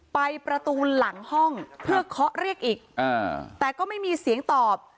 ไปประตูหลังห้องเพื่อเคาะเรียกอีกแต่ก็ไม่มีเสียงตอบ